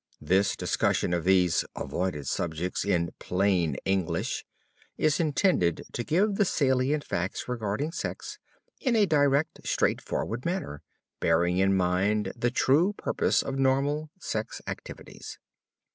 This discussion of these "Avoided Subjects," in "Plain English," is intended to give the salient facts regarding sex in a direct, straightforward manner, bearing in mind the true purpose of normal sex activities.